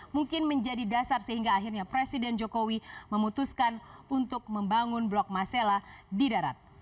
mungkin menjadi dasar sehingga akhirnya presiden jokowi memutuskan untuk membangun blok masela di darat